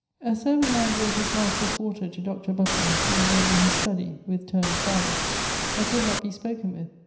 A serving man brought his master's water to doctor Butler, being then in his studie (with turn'd barres) but would not bee spoken with.